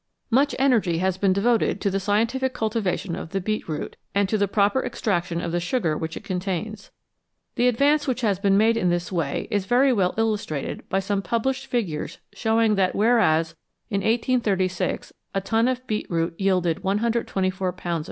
Much energy has been devoted to the scientific cultivation of the beetroot, and to the proper extraction of the sugar which it contains. The advance which has been made in this way is very well illustrated by some published figures showing that whereas in 1836 a ton of beetroot yielded 124 Ibs.